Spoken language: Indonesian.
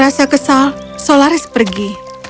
raksasa kesal solaris pergi